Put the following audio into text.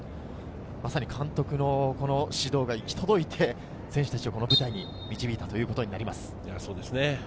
まさに監督の指導が行き届いて選手たちをこの舞台に導いたということになります。